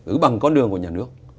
ứ bằng con đường của nhà nước